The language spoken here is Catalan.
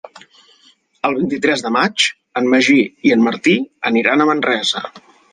El vint-i-tres de maig en Magí i en Martí aniran a Manresa.